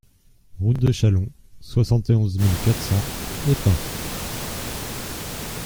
Route de Châlon, soixante et onze mille quatre cents Autun